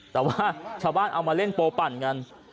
แต่ว่าชาวบ้านเอามาเล่นโปปั่นกัน